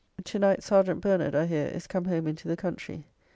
To night Serjeant Bernard, I hear, is come home into the country.